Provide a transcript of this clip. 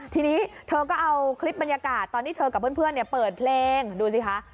ทีนี้เธอก็เอาคลิปบรรยากาศตอนที่เธอกับเพื่อนเปิดเพลงดูสิคะ